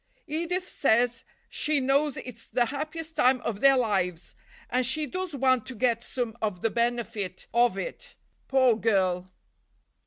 "Edith says she knows it's the happiest time of their lives, and she does want to get some of the benefit of it, poor girl."